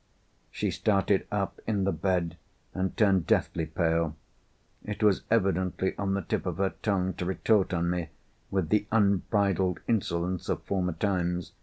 She started up in the bed, and turned deadly pale. It was evidently on the tip of her tongue to retort on me with the unbridled insolence of former times.